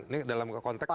ini dalam konteks kasus